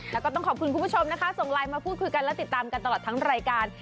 แล้วก็ต้องขอบคุณคุณผู้ชมนะคะส่งไลน์มาพูดคุยกันและติดตามกันตลอดทั้งรายการ